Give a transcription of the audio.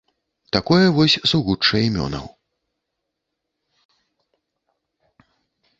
Такое вось сугучча імёнаў.